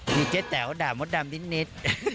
มีเจ้อแตกมันล่ามัดดำนิด